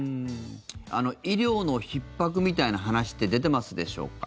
医療のひっ迫みたいな話って出てますでしょうか？